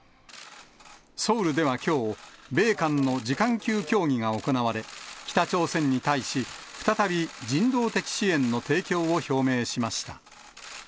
ソウルではきょう、米韓の次官級協議が行われ、北朝鮮に対し、再び人道的支援の提供を表明しました。